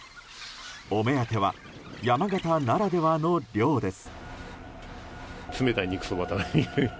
お目当ては山形ならではの涼です。